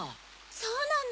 そうなの。